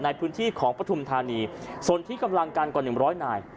ในพื้นที่ของปฐุมธานีส่วนที่กำลังกันกว่าหนึ่งร้อยนาย